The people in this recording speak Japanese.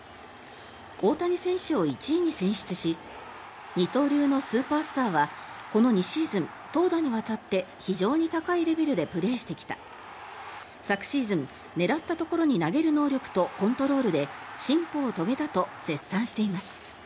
大谷選手を１位に選出し二刀流のスーパースターはこの２シーズン投打にわたって非常に高いレベルでプレーしてきた昨シーズン狙ったところに投げる能力とコントロールで進歩を遂げたと絶賛しています。